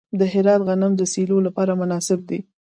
د هرات غنم د سیلو لپاره مناسب دي.